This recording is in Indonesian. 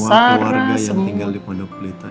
semua keluarga yang tinggal di pondok blitar